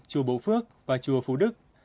chùa bổ phước và chùa phú đức